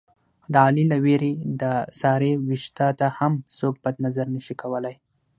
د علي له وېرې د سارې وېښته ته هم څوک بد نظر نشي کولی.